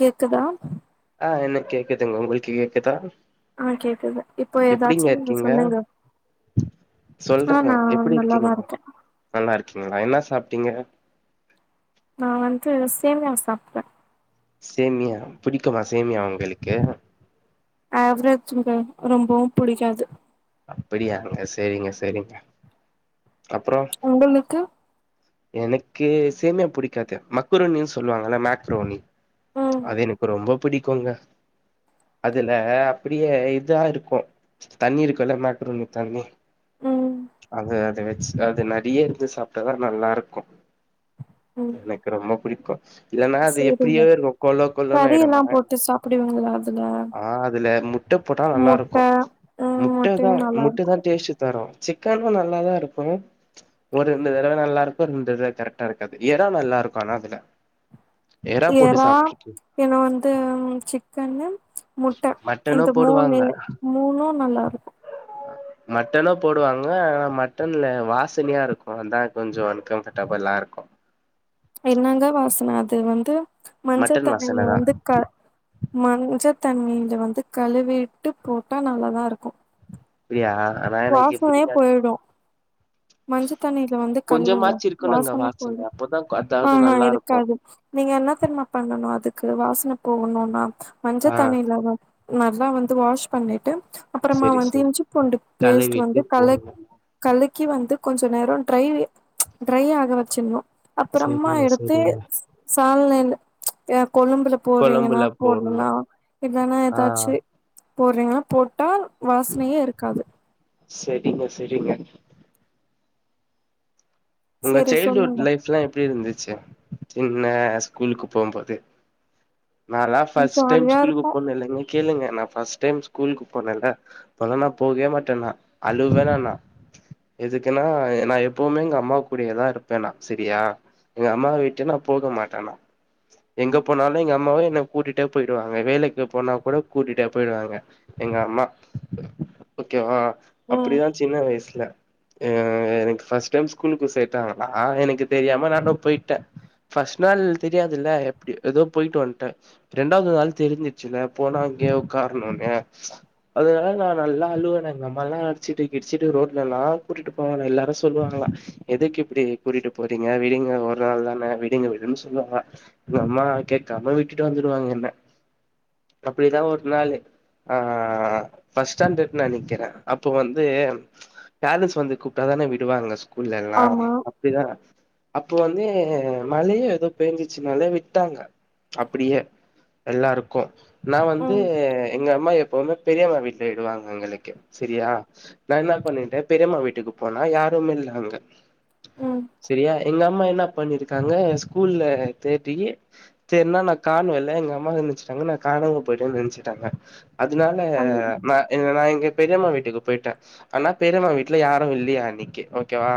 கேக்குதா ஆ எனக் கேக்குதுங்க உங்களுக் கேக்குதா ஆ கேக்குது இப்ப எப்டிங்க எதாச்சு நீங்க இருக்கீங்க சொல்லுங்க ஆ சொல்றங்க நா நல்லாதாருக்கே ஆ என்னா சாப்ட்டீங்க நா வந்து சேமியா சாப்ட்டே சேமியா பிடிக்குமா சேமியா உங்குளுக்கு ஆவ்ரேஜ்ச்சுங்க ரொம்போவு புடிக்காது அப்பிடியாங்க சேரிங்க செரிங்க உங்களுக்கு எனக்கு சேமியா புடிக்காது மக்ரூனின் சொல்லுவாங்கல்ல மேக்ரோனி ம் அது எனக்கு ரொம்போப் பிடிக்கூங்க அதுல அப்டியே இதா இருக்கூ தண்ணி இருக்கூல மேக்ரூணி தண்ணி ம் அத அத வச் அது நறைய இருந்து சாப்ட்டா தா நல்லார் கூ ம் எனக்கு ரொம்போ புடிக்கூ இல்லனா அது சேரிங்க எப்டியோ இருக்கூ கொல கொலனு கறி எல்லா ஆயிடுமா போட்டு சாப்டுவீங்களா அதுல ஆ அதுல முட்ட போட்டா முட்ட நல்லாருக்கூ ம் முட்ட தா முட்டையு நல்லா முட்ட தா இருக்கு டேஸ்ட்டு தரூ சிக்கனூ நல்லாதா இருக்கூ ஒரு ரெண்டு தடவ நல்லார் பொந்தது கரெக்டாருக்காது எறா நல்லாருக்கூ ஆனா அதுல போட்டு எறா சாப்ட்ருக்கே பின்ன வந்து சிக்கனு முட்ட மட்டனு இந்த மூனு போடுவாங்க மூனூ நல்லாருக்கூ மட்டனூ போடுவாங்க ஆனா மட்டன்ல வாசனையா இருக்கூ அதா கொஞ்சோ அன் கம்ஃபர்டபுலா இருக்கூ என்னங்க வாசன அது வந்து மஞ்ச மட்டன் தண்ணில வாசன தா வந்து க மஞ்சத் தண்ணில வந்து கழுவிட்டு போட்டா நல்லா தா இருக்கும் அப்டியா ஆனா எனக்கு வாசனயே புடிக்காது போயிடும் மஞ்ச ஞ்ச தண்ணியில வந்து கழுவுங்க கொஞ்சமாச்சு இருக்கணுங்க வாசன போயிடும் அப்பதா அதாவது ம்ஹூம் நல்லா இருக்கு இருக்காது நீங்க என்ன தெரிமா பண்ணணு அதுக்கு க்கு வாசன போகணுனா மஞ்ச ஆ தண்ணில நல்லா வந்து வாஷ் பண்ணிட்டு அப்றமா செரி வந்து செரி இஞ்சி பூண்டு பேஸ்ட் கழுவிட்டு வந்து கலை போடணு கலை கி வந்து கொஞ்சோ நேரோ ட்டை ட்ரை ஆக வச்சிடணும் அப்புறமா செரிங்க எடுத்து செரிங்க ஆன்லைன்ல கொழம்புல போடுறீங்கனா கொழம்புல போடணு போட்லயா இல்லனா ஆ எதாச்சு போடுறீங்கலா போட்டா வாசனையே இருக்காது செரிங்க செரிங்க உங்க சரி சைல்ட்டு வுட் சொல்லுங்க லைஃப் லா எப்டி இருந்துது சி சின்ன ஸ்கூலுக்கு போம் போது நாலா ம் ஃபர்ஸ்ட் டைம் ஜாலியா ஸ்கூலுக்கு இருக்கு போனது இல்லிங்க கேளுங்க நா ஃபஸ்ட் டைம் ஸ்கூலுக்கு போனேல அப்போ ல நா போகவே மாட்டேன்னா அழுவனா நா எதுக்குனா நா எப்வுமே எங்க அம்மா கூடியதா இருப்பேனா செரியா எங்க அம்மாவ விட்டு நா போக மாட்டேனா எங்க போனாலு எங்க அம்மாவு என்ன கூட்டிட்டே போயிடுவாங்க வேலைக்கு போனா கூட கூட்டிட்டே போயிடுவாங்க எங்க அம்மா ஓகே வா ம் அப்டிதா சின்ன வயசுல இல எனக்கு ஃபஸ்ட் டைம் ஸ்கூல் க்கு சே தட்டாங்களா எனக்கு தெரியாம நானு போயிட்ட ஃபஸ்ட் நாள் தெரியாதுல்ல எப்டி ஏதோ போயிட்டு வந்துட்ட ரெண்டாவது நாள் தெரிசிச்சிங்க போனா அங்கே உக்கார்ணுனு அதனால நா நல்லா அழுவனா எங்கம்மா எல்லா அடிச்சிட்டு கிடிச்சிட்டு ரோட்லல்லா கூட்டிட்டு போவாங்க எல்லாரு சொல்லுவாங்களா எதுக்கு இப்டி கூட்டிட்டு போறீங்க விடுங்க ஒரு நாள் தானே விடுங்க விடுன்னு சொல்லுவாங்க அம்மா கேட்கம அம்மா விட்டுட்டு வந்துடுவாங்க என்ன அப்டிதா ஒரு நாளு ஆ ஃபஸ்ஸ்டாண்டர்ட் நனைக்குற அப்போ வந்து பேரன்ஸ் வந்து கூப்டாதானே விடுவாங்க ஸ்கூல் னா ஆமா அப்டிதா அப்போ வந்து மழையு ஏதோ பெஞ்சிச்சுனால விட்டாங்க அப்டியே எல்லாருக்கு நா வந்து ம் எங்க அம்மா எப்பவுமே பெரியம்மா வீட்டுல விடுவாங்க எங்களுக்கு செரியா நா என்ன பண்ணிட்ட பெரியம்மா வீட்டுக்கு போனா யாருமே இல்ல அங்க ம் செரியா எங்க அம்மா என்ன பண்ணிருக்காங்க ஸ்கூல்ல தேடி தேர்னா நா காணோல எங்க அம்மா நினச்சுட்டாங்க நா காணம போய்டேன்னு நினச்சிட்டாங்க அதனால அது நா நா எங்க பெரியம்மா வீட்டுக்கு போயிட்ட ஆனா பெரியம்மா வீட்டுல யாரு இல்லயா அன்னிக்கு ஓகேவா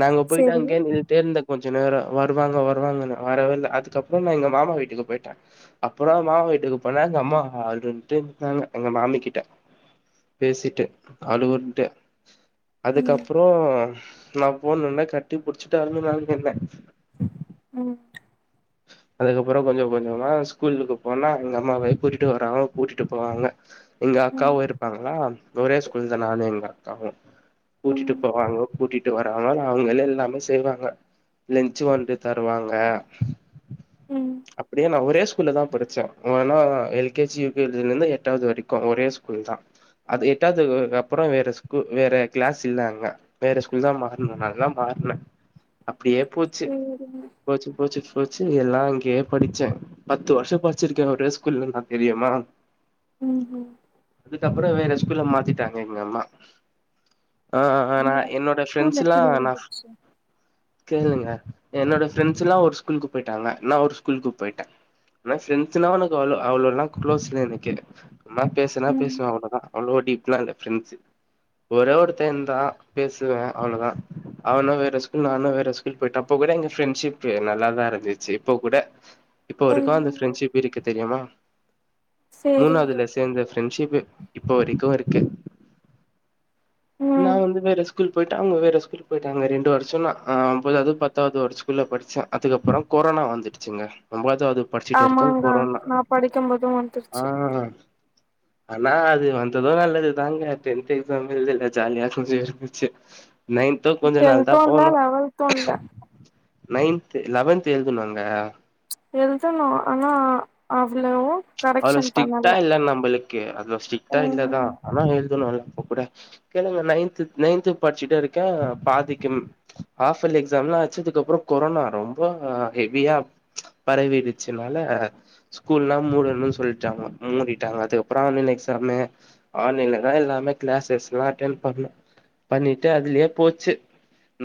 நா அங்க போயிட்டு சரி அங்கே நின்னுட்டே இருந்த கொஞ் கொஞ்ச நேரோ வருவாங்க வருவாங்கன்னு வரவேல்ல அதுக்கப்றோ நா எங்க மாமா வீட்டுக்கு போயிட்ட அப்றோ மாமா வீட்டுக்கு போனா எங்க அம்மா அளுதுட்டு இருந்தாங்க எங்க மாமி கிட்ட பேசிட்டு அளுவுட்டு ம் அதுக்கப்றோ நா போணுனா கட்டி புடிச்சுட்டு [unintelligible] என்ன உம் அதுக்கப்றோ கொஞ்சோ கொஞ்சமா ஸ்கூல்லுக்கு போனா அங்க அம்மாவே கூட்டிட்டு வருவாங்க கூட்டிட்டு போவாங்க எங்க ம் அக்காவு இருப்பாங்களா ஒரே ஸ்கூல தா நானு எங்க அக்காவு கூட்டிட்டு ம் போவாங்க கூட்டிட்டு வராங்க அவங்களே எல்லாமே செய்வாங்க லேன்சு வண்டு தருவாங்க ம் அப்டியா நா ஒரே ஸ்கூல்ல தா படிச்ச ன்னா L K G U K G இருந்து எட்டாவது வரைக்கோ ஒரே ஸ்கூல் தா அது எட்டாவதுக்கு அப்றோ வேற ஸ்கூ வேற கிளாஸ் இல்ல அங்க வேற ஸ்கூல் தா மாறனோ நால தா மாறுன அப்டியே போச்சு சேரிங்க போச்சு போச்சு ச்சு எல்லா அங்கேயே படிச்ச பத்து வருஷோ படிச்சிருக்கே ஒரே ஸ்கூல்ல தா தெரியுமா உம் உம் து அப்றோ வேற ஸ்கூல்ல மாத்திட்டாங்க எங்க அம்மா ஆ ஆ ஆ நா வேற என்னோட ஸ்கூல் ஃப்ரெண்ட்ஸ்ல்லா எப்டி நா இருந்துச்சு கேளுங்க என்னோட ஃப்ரெண்ட்ஸ் எல்லா ஒரு ஸ்கூலுக்கு போயிட்டாங்க நா ஒரு ஸ்கூலுக்கு போயிட்ட ஆனா ஃபரெண்ட்ஸ் ல அவ அவளோ எல்லா குளோஸ் இல்ல எனக்கு ம்மா பேசுனா ம் பேசுவ அவ்ளோதா அவ்ளோ டீப்லா இல்ல ஃப்ரெண்ஸ்சு ஒரே ஒருத்த இருந்தா பேசுவ அவ்ளோதா அவனு வேற ஸ்கூல் நானு வேற ஸ்கூல் போயட்டு அப்ப கூட எங்க ஃப்ரெண்ட்ஷிப் நல்லா நல்லாருதுசிச்சு இப்போ கூட இப்ப வரிகோ அந்த ம் பிரெண்ட்ஸுப் இருக்கு தெரியுமா சேரிங்க மூணாவதுல சேர்ந்த ஃரெண்ட்ஷிப்பு இப்ப வரிக்கு இருக்கு நா ம் வந்து வேற ஸ்கூல் போயிட்டு அவங்க வேற ஸ்கூல் போயிட்டாங்க ரெண்டு வருஷந்தா ஹ ஒன்பதாது பத்தாவது ஒரு ஸ்கூல்ல படிச்ச அதுக்கப் புறம் கொரோனா வந்துடுச்சுங்க [unintelligible] படிச்சுட்டு இருக்கே ஆமாங்க கொரோனா நா படிக்கும்போதும் ஆ வந்துருச்சு ஆனா அது வந்தது நல்லது தாங்க டென்த் எக்ஸாம் எல்தல ஜாலியா [unintelligible] கொஞ்ச நாள் தா டென்த்து இல்ல லெவன்த்து இல்ல நைன்த்து லெவன்த்து எல்துனங்க எல்தணோ ஆனா அவ்லவு அவ்ளோ ஸ்டிக்டா இல்ல நம்பலக்கு அதுஸ்டிக்டா இல்லதா ம் ஆனா எல்தனோல [unintelligible] நைன்த்து நைன்த்து படிச்சிட்டுருக்க பாதிக்கும் ஆபெய்லி எக்சாம்ல வச்சதுக்கப்ற கொரோனா ரொம்ப ஹெவியா பரவிடுச்சுனால ஸ்கூல்லா மூடனு னு சொல்டாங்க மூடிட்டாங்க அதுகப்றோ ஆன்லைன் எக்சாமு ஆன்லைன்லதா எல்லாமே க்ளாசஸ்லா அட்டன் பன்னோ பன்னிட்டு அதிலயே போச்சி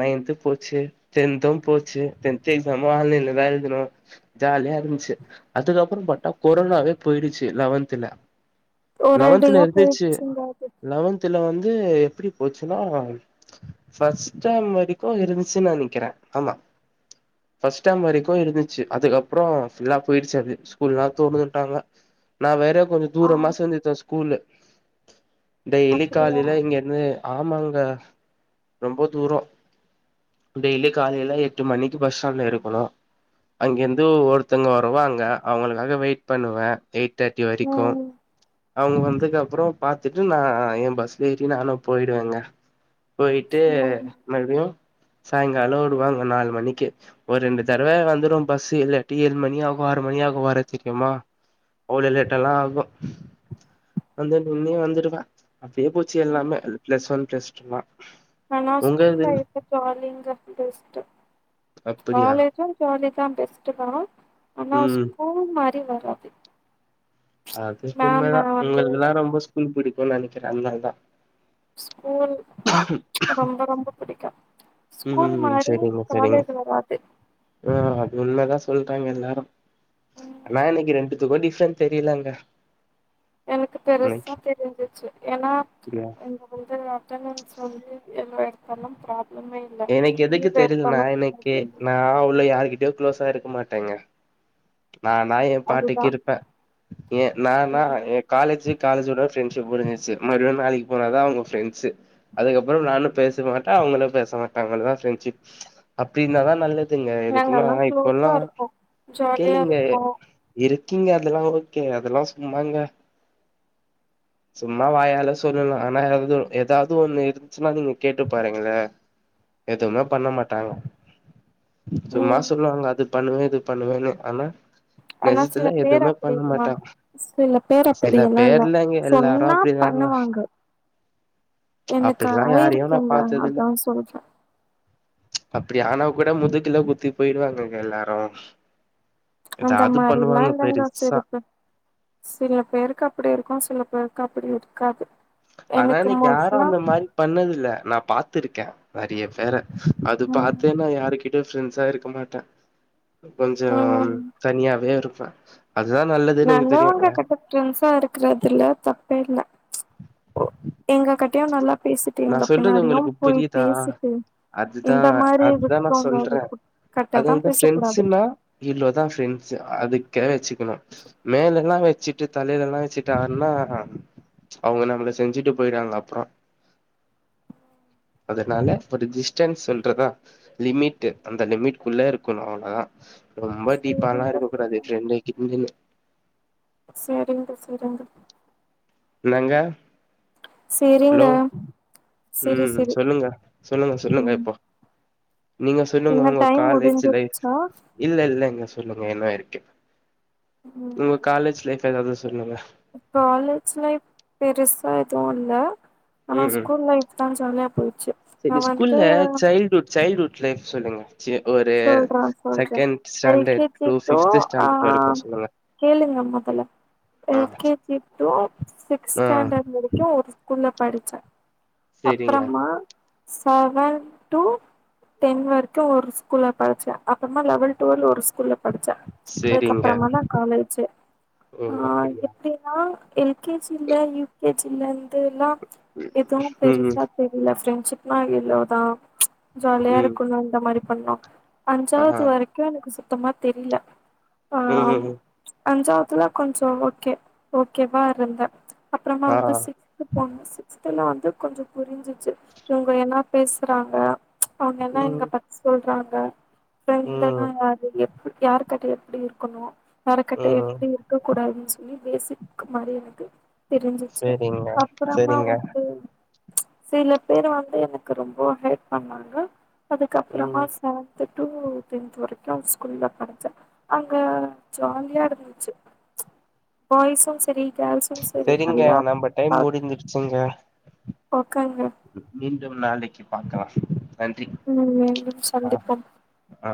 நைன்த்து போச்சி டென்த்தும் போச்சி டென்த்து எஃசாமு ஆன்லைன்லதா எல்துனோ ஜாலியாருஞ்சு அதுக்கப்புறோ பாத்தா [unintelligible] கொரோனாவே போயிடுச்சு லெவன்துல லெவன்துல ஒரேடியா இருந்துச்சு போயிடுச்சுங்க அது லெவன்துல வந்து எப்டி போச்சுனா ஃபஸ்ட் டர்ம் வரைக்கு இருந்துச்சின்னு நெனைக்கிற ஆமா ஃபஸ்ட் டர்ம் வரைக்கு இருந்துச்சு அதுக்கப்றோ ஃபுல்லா போய்ருச்சு அது ஸ்கூல்லா [unintelligible] ட்டாங்க நா வேற கொஞ்ச ஆ தூரமா [unintelligible] ஸ்கூலு டெய்லி அப்டியா காலைல இங்கருந்து ஆமாங்க ரொம்ப தூரோ டெய்லி காலைல எட்டு மணிக்கு பஸ் ஸ்டாண்ட்ல இருக்கணு அங்கேருந்து ஒருத்தங்க வருவாங்கே அவங்களுக்காக வெயிட் பண்ணுவே எயிட் தேர்ட்டி வரிக்கு ம் அவுங்க வந்து அதுக்கப்றோ பாத்துட்டு நா ஏ பஸ்ல ஏறி நானு போயிடுவேங்க போயிட்டு சேரிங்க மறுபடியு சாய்ங்கால வருவாங்க நாலு மணிக்கு ஒரு ரெண்டு தரவ வந்துரு பஸ்ஸு இல்லாட்டி ஏழு மணி ஆகு ஆறு மணி ஆகு வரத் எம்மா அவ்ளோ லேட்டாலா ஆகு வந்து [unintelligible] வந்துருக்கே அப்டியே போச்சி எல்லாமே ப்ளஸ் ஒன் ப்ளஸ் டூலா நா நா உங்க ஸ்கூல் இதுல லைஃப் ஜாலிங்க பெஸ்ட்டு அப்படியா காலேஜு ஜாலி தா பெஸ்ட்டு தா ஆனா ம் ஸ்கூல் மாரி வராது அது மேம உண்மதா வந்து உங்களுக்கெல்லா ரொம்ப ஸ்கூல் பிடி குனு நெனைக்கிற அதனால் தா ஸ்கூல் ரொம்ப ரொம்ப பிடிக்கு ஸ்கூல் ம் மாரி சரிங்க சரிங்க காலேஜ் வராது ஆ அது உண்மதா சொல்றாங்க எல்லாரு ம் ஆனா எனக்கு ரெண்டு எதுவு டிஃப்ரெண்ட் தெரியலங்க எனக்கு பெருசா எனக்கு தெரிஞ்சிச்சு ஏன்னா யா இங்க வந்து அட்டென்ட் சொல்லி எவ்ளோ எடத்தல்லா ப்ரா எனக்கு எதுக்கு தெரியுதுனா எனக்கு ப்ராப்ளம் இல்ல நா அவ்ளோ யாருகிட்டயோ க்ளோஸா இருக் மாட்டேங்க நானா ஏ அதுதா பாட்டுக்கிருப்பே ஏ நானா ம் எ காலேஜு காலேஜோட ஃரெண்ட்ஷிப் முடிஞ்சிருச்சு மறுபுடியு நாளைக்கு அவ்ளோ தா அவங்க ஃரெண்ட்ஸ்ஸு அதுக்கப்பற நானு பேசமாட்ட அவங்களு பேச மாட்டாங்க இவ்ளோதா ஃப்ரெண்ட்ஷிப் அப்டின்னாதா நல்லதுங்க இதுக்கெல்லா இப்பல்லா யா கேளுங்க இருப்போ இருக்கீங்க அதெல்லா ஓகே அதெல்லா சும்மாங்க சும்மா வாயால சொல்லலா ஆனா எதும் எதாது ஒன்னு இருந்துச்சுன்னா அத நீங்க கேட்டு பாருங்களே எதுவுமே பண்ண மாட்டாங்க சும்மா ம் சொல்வாங்க அது பண்ணுவே இது பண்ணுவேனு ஆனா ஆனா சில நெஜத்துல பேர் எதுவுமே அப்டி பண்ண னா மாட்டாங்க சில பேர் அப்பிடி சில எல்லா இல்ல பேர்லங்க எல்லாரு சொன்னா அப்டிதாங்க பண்ணுவாங்க எனக்கு அப்டிலா யாரையு நா ஆயிருக்குங்க பாத்ததில்ல அதா சொல்றே அப்டி ஆனா கூட முதுக்குல குத்தி போயிடுவாங்கங்க எல்லாரு அந்த எதாவது மாரில்லா பண்ணுவாங்க இல்லிங்க பெருசா சில பேர் சில பேருக்கு அப்டி இருக்கு சில பேரு அப்டி இருக்காது ஆனா எனக்கு யாரு அந்த மாரி பண்ணதில்ல நா பாத்துருக்க நெறைய வேற அது ம் பாத்தேன்னா யாருக்கி ப்ரெண்ட்ஸா இருக்க மாட்ட கொஞ்சோ ம் தனியாவே ப்ப நல்லவங்க கட்ட ப்ரண்ட்ஸா இருக்கறதுல தப்பே இல்ல ஓ எங்க கட்டயு நல்லா பேசிட்டு நா எங்க சொல்றது பின்னாடியு உங்களுக்கு போய் புரியுதா பேசிட்டு அதுதா இந்த மாரி அத்தா நா சொல்ற இருக்கவங்க கிட்டதா அததுதான் பேசக்கூடாது ப்ரெண்ட்ஸ்சுனா இவ்ளோதா ஃப்ரண்ட்ஸ்சு அது கேரச்சு க்கணு மேலல்லா வெச் வெச்சிட்டு தல லெல்லா வெச்சுட்டு ஆட்னா அவங்க நம்மள செஞ்சுட்டு போயிறாங்க அப்றோ அதனால ஒரு டிஸ்டன்ஸ் சொல்றதா லிமிட்டு அந்த லிமிட்குள்ள இருக்கணு அவ்ளோதா ரொம்ப டீப்பாலா சேரிங்க இருக்க சேரிங்க கூடாது ப்ரெண்டு கிண்டுனு சேரிங்க சேரிங்க இன்னங்க செரிங்க உம் சொல்லுங்க சொல்லுங்க சொல்லுங்க ம் இப்போ நீங்க சொல்லுங்க என்ன உங்க டைம் காலேஜ் லைஃப் முடிஞ்சிருச்சா இல்ல இல்லங்க சொல்லுங்க இன்னு இருக்கு உங்க காலேஜ் லைஃப் கா எதாவ்து சொல்லுங்க காலேஜ் லைப் பெருசா எதுவு இல்ல ஆனா ஸ்கூல் லைப் தா [unintelligible] நா செரி வந்து ஸ்கூல்ல சைல்டுஹுட் சைல்டுஹுட் லைஃப் சொல்லுங்க சி ஒரு சொல்றே சொல்றே second standard LKG to fifth standard அஹ வரைக்கு சொல்லுங்க கேளுங்க மொதல்ல ஆ எலேஜி டு சிக் ஆ ஸ்டாண்டர்ட் வரைக்கு ஒரு ஸ்கூல படிச்சே சரிங்க அப்புறமா சவன் டு டென் வர்க்கு ஒரு ஸ் ஸ்கூல படிச்ச அப்றமா லெவல் டுவல் ஒரு ஸ்கூல்ல படிச்ச சரிங்க அதுக்கப்பறமா தா காலேஜு ஓ ஆ அப்படியா எப்டின்னா எல் கே ஜி ல யூ கே ஜி ல வந்துலா எதுவு ம் பெரிசா தெரிய்ல ஃப்ரெண்ட் ஷிப்னா இவ்ளோ தா ஜால்யா ம் இருக்குணு இந்த மாரி பண்ணோ ஆ அஞ்சாவுது வரக்கு எனக்கு சு சுத்தமா தெரில ஆ ம் ம் அஞ்சாவதுல கொஞ்சோ ஓகே ஓகேவா இருந்த அப்புறமா ஆ வந்து சிக்ஸ்த்து போன சிக்ஸ் த்ல வந்து கொஞ்சோ புரிஞ்சிச்சு இவங்க என்னா பேசுறாங்க அவங்க என்னா எங்க ம் பத் சொல்றாங்க ஃப்ரெண்டுனா ம் யாரு இல்ல யாரு கிட்ட எப்டி இருக்கணு யாரு கிட்ட ம் எப்டி இருக்க கூடாதுன்னு சொல்லி பேசிக் மாரி எனக்கு தெரிஞ்சிச்சு சரிங்க அப்பறமா சரிங்க வந்து சில பேரு வந்து எனக்கு ரொம்ப ஹெல்ப் பண்ணாங்க அது அதுக்கப்பறமா ம் செவன்த்து டூ டென்த் வரைக்கு ஒரு ஸ்கூல்ல படிச்ச அங்க ஜாலியா இருந்துச்சு பாய்ஸு சரி கேர்ள்ஸு சரி சரிங்க நல்லா நம்ம டைம் பாத் முடிஞ்சுடுச்சுங்க ஓகேங்க நாளைக்கு பாக்கலா மீண்டும் சந்திப்பம் ஆ